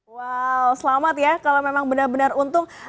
wow selamat ya kalau memang benar benar untung